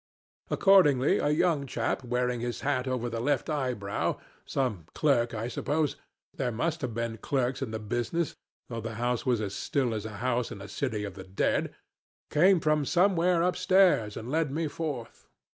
Accordingly a young chap wearing his hat over the left eyebrow, some clerk I suppose, there must have been clerks in the business, though the house was as still as a house in a city of the dead, came from somewhere up stairs, and led me forth.